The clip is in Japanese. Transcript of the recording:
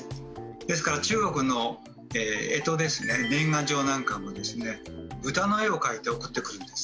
ですから中国の干支ですね年賀状なんかもですね豚の絵を描いて送ってくるんです。